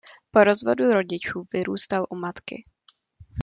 Po rozvodu rodičů vyrůstal u matky.